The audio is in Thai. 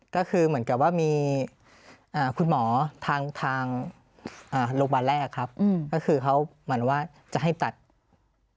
ก็คือเหมือนกับว่ามีอ่าคุณหมอทางทางโรงพยาบาลแรกครับก็คือเขาเหมือนว่าจะให้ตัด